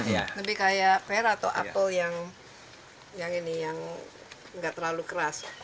lebih kayak fair atau apple yang nggak terlalu keras